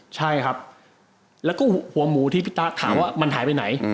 ใช่ครับแล้วก็หัวหมูที่พี่ตะถามว่ามันหายไปไหน